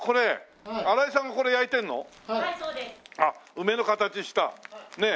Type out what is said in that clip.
梅の形したねえ。